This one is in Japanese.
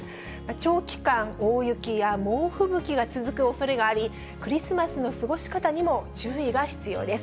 長期間、大雪や猛吹雪が続くおそれがあり、クリスマスの過ごし方にも注意が必要です。